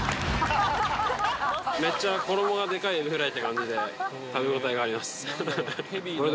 めっちゃ衣がでかいエビフライっていう感じで、食べ応えがあります。